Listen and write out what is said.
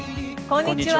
こんにちは。